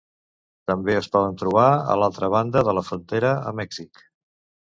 També es poden trobar a l'altra banda de la frontera a Mèxic.